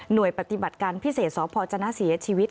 โดยปฏิบัติการพิเศษสพจนะเสียชีวิต